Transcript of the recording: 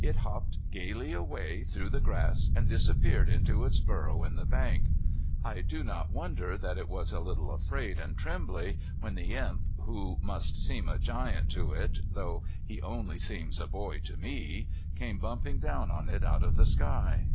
It hopped gaily away through the grass and disappeared into its burrow in the bank. I do not wonder that it was a little afraid and trembly when the Imp, who must seem a giant to it though he only seems a boy to me, came bumping down on it out of the sky.